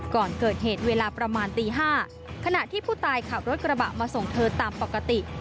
ก่อนเกิดเหตุเวลาประมาณตี๕ขณะที่ผู้ตายขับรถกระบะมาส่งเธอตามปกติ